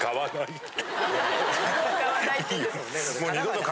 「もう買わない」って。